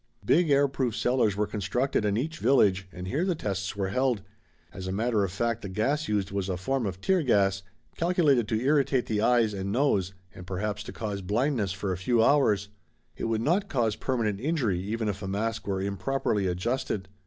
Big air proof cellars were constructed in each village and here the tests were held. As a matter of fact, the gas used was a form of tear gas, calculated to irritate the eyes and nose and perhaps to cause blindness for a few hours. It would not cause permanent injury even if a mask were improperly adjusted.